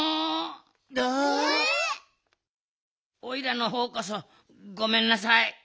おいらのほうこそごめんなさい。